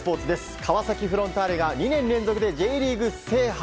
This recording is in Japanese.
川崎フロンターレが２年連続でＪリーグ制覇。